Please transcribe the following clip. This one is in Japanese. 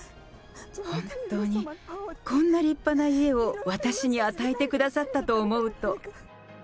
本当にこんな立派な家を私に与えてくださったと思うと。